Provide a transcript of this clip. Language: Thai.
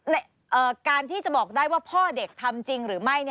และการที่จะบอกได้ว่าพ่อเด็กทำจริงหรือไม่